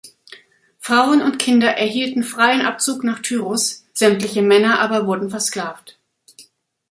Frauen und Kinder erhielten freien Abzug nach Tyrus, sämtliche Männer aber wurden versklavt.